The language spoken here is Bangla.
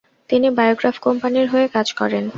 তিনি বায়োগ্রাফ কোম্পানির হয়ে কাজ করেন।